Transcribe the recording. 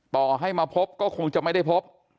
ต่อให้มาพบก็คงจะไม่ได้พบ